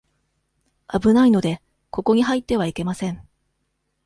危ないので、ここに入ってはいけません。